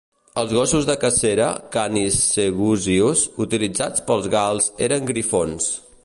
Els gossos de cacera, Canis Segusius, utilitzats pels gals eren griffons.